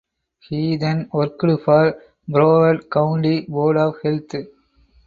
He then worked for Broward County Board of Health.